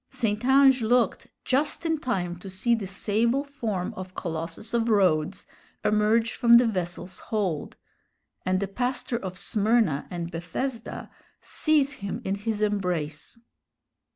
St. Ange looked just in time to see the sable form of Colossus of Rhodes emerge from the vessel's hold, and the pastor of Smyrna and Bethesda seize him in his embrace.